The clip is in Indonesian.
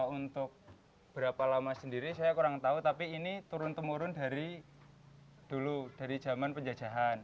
untuk berapa lama sendiri saya kurang tahu tapi ini turun temurun dari dulu dari zaman penjajahan